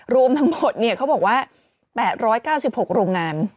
รวมทั้งหมดเขาบอกว่า๘๙๖โรงงาน